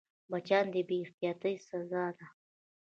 مچان د بې احتیاطۍ سزا ده